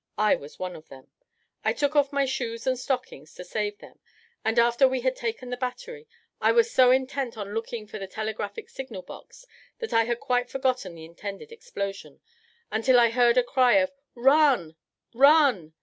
I was one of them. I took off my shoes and stockings to save them; and, after we had taken the battery, I was so intent on looking for the telegraphic signal box, that I had quite forgotten the intended explosion, until I heard a cry of "Run, run!"